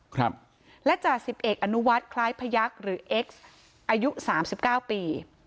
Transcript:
ครับและจ่าสิบเอกอนุวัฒน์คล้ายพยักษ์หรือเอ็กซ์อายุสามสิบเก้าปี